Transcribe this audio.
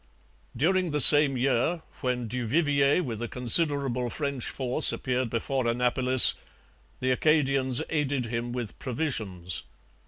During the same year, when Du Vivier with a considerable French force appeared before Annapolis, the Acadians aided him with provisions.